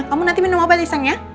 kamu nanti minum obat iseng ya